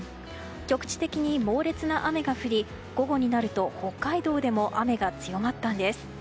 局地的に猛烈な雨が降り午後になると北海道でも雨が強まったんです。